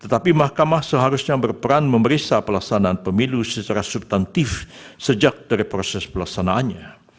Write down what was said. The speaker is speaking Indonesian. tetapi mahkamah seharusnya berperan memeriksa pelaksanaan pemilu secara subtantif sejak dari proses pelaksanaannya